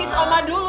kiss oma dulu dong